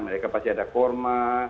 mereka pasti ada korma